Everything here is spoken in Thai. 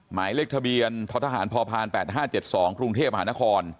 หมายเลขทะเบียนท้อทหารพพ๘๕๗๒กรุงเทพมหานคร